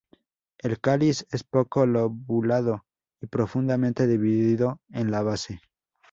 El cáliz es poco lobulado y profundamente dividido en la base.